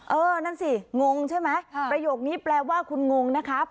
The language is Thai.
เออนั่นสิงงใช่ไหมประโยคนี้แปลว่าคุณงงนะครับ